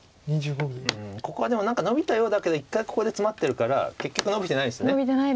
ここはでものびたようだけど一回ここでツマってるから結局のびてないです。